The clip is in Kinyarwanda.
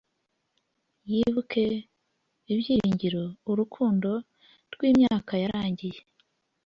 yibuke, ibyiringiro, urukundo rwimyaka yarangiye.